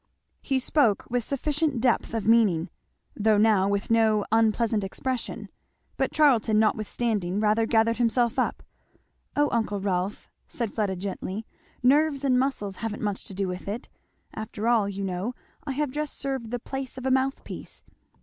He spoke with sufficient depth of meaning, though now with no unpleasant expression. But Charlton notwithstanding rather gathered himself up. "O uncle Rolf," said Fleda gently, "nerves and muscles haven't much to do with it after all you know I have just served the place of a mouth piece.